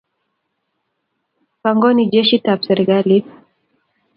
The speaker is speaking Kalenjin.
Pongoni jeshit ap sirikalit.